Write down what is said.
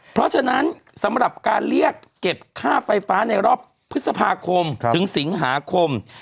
เพราะฉะนั้นสำหรับการเรียกเก็บค่าไฟฟ้าในรอบพฤษภาคมถึงสิงหาคม